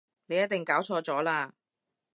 你一定搞錯咗喇